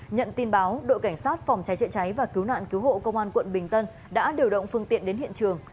nhận tin báo đội cảnh sát phòng cháy chữa cháy và cứu nạn cứu hộ công an quận bình tân đã điều động phương tiện đến hiện trường